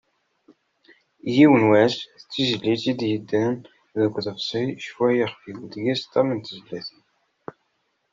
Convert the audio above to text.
"Yiwen wass", d tizlit i d-yeddan deg uḍebsi "Cfu ay ixef-iw", deg-s ṭam n tezlatin.